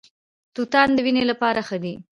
توتان د وینې لپاره ښه دي.